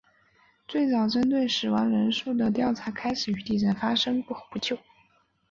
最早针对死亡人数的调查开始于地震发生后不久。